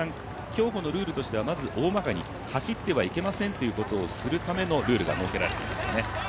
競歩のルールとしてはおおまかに走ってはいけませんということをするためのルールが設けられていますね。